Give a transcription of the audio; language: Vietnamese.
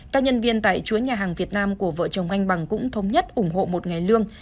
các nhân viên tại chuối nhà hàng việt nam của vợ chồng anh bằng cũng thống nhất ủng hộ một ngày lương